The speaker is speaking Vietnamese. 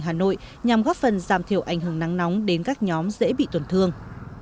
hà nội nhằm góp phần giảm thiểu ảnh hưởng nắng nóng đến các nhóm dễ bị tổn thương